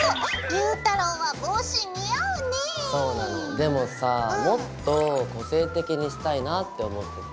でもさもっと個性的にしたいなって思ってて。